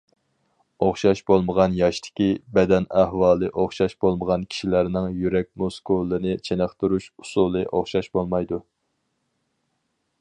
ئوخشاش بولمىغان ياشتىكى، بەدەن ئەھۋالى ئوخشاش بولمىغان كىشىلەرنىڭ يۈرەك مۇسكۇلىنى چېنىقتۇرۇش ئۇسۇلى ئوخشاش بولمايدۇ.